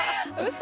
嘘？